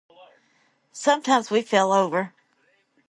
Sometimes we fell over.